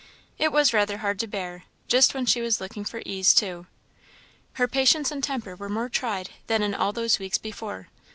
It was rather hard to bear, just when she was looking for ease, too her patience and temper were more tried than in all those weeks before.